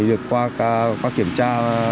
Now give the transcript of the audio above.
được qua kiểm tra